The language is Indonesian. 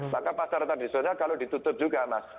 maka pasar tradisional kalau ditutup juga mas